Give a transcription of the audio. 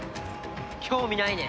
興味ないね。